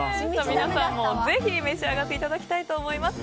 皆さんもぜひ召し上がっていただきたいと思います。